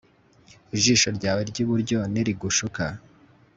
ijisho ryawe ry'iburyo nirigushuka